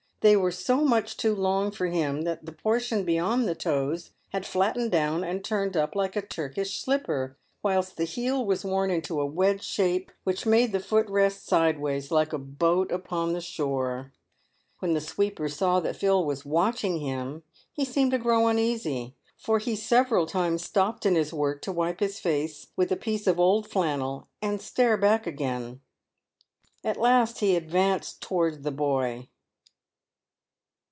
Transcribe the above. They ere so much too long for him that the portion beyond the toes had 86 PAYED WITH GOLD. flattened down and turned up like a Turkish slipper, whilst the heel was worn iuto a wedge shape which made the foot rest sideways, like a boat upon the shore. When the sweeper saw that Phil was watching him he seemed to grow uneasy, for he several times stopped in his work to wipe his face with a piece of 'old flannel and stare back again. At last he ad vanced towards the boy.